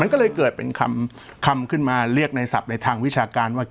ก็เลยเกิดเป็นคำขึ้นมาเรียกในศัพท์ในทางวิชาการว่า